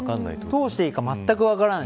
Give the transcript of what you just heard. どうしていいかまったく分からない。